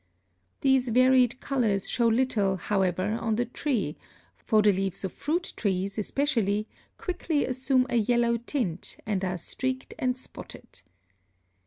These varied colors show little, however, on the tree, for the leaves of fruit trees, especially, quickly assume a yellow tint, and are streaked and spotted.